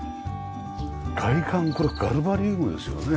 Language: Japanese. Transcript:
外観これガルバリウムですよね？